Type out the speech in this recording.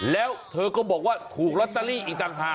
แล้วเธอก็บอกว่าถูกลอตเตอรี่อีกต่างหาก